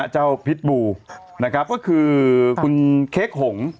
เจ้าพิษบูก็คือคุณเค้กหงษ์